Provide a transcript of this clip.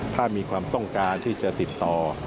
ถ้ามีความต้องการที่จะติดต่อ